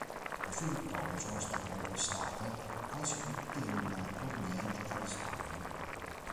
Le sue vittorie sono state conquistate quasi tutte in tornei giocati in Spagna.